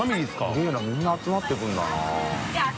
すげぇなみんな集まってくるんだ店主）